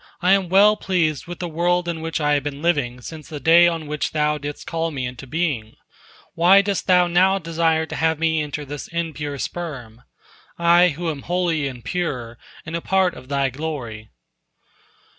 I am well pleased with the world in which I have been living since the day on which Thou didst call me into being. Why dost Thou now desire to have me enter this impure sperm, I who am holy and pure, and a part of Thy glory?"